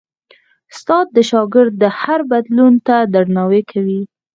استاد د شاګرد هر بدلون ته درناوی کوي.